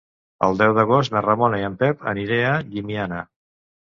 El deu d'agost na Ramona i en Pep aniré a Llimiana.